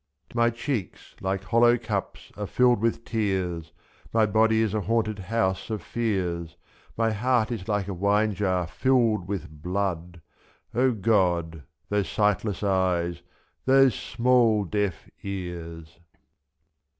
My cheeks like hollow cups are filled with tears. My body is a haunted house of fears, i'^f. My heart is like a wine jar filled with blood — O God I those sightless eyes, those small deaf ears.